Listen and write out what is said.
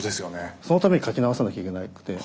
そのために書き直さなきゃいけなくて。